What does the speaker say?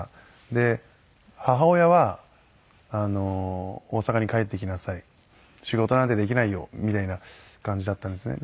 で母親は大阪に帰ってきなさい仕事なんてできないよみたいな感じだったんですね。